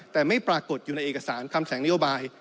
แต่ไม่ปรากฏอยู่ในเอกสารคำแสงนโยบาย